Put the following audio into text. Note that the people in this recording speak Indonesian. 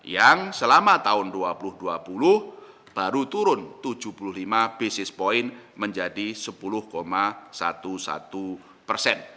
yang selama tahun dua ribu dua puluh baru turun tujuh puluh lima basis point menjadi sepuluh sebelas persen